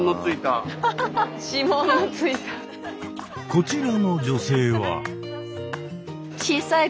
こちらの女性は。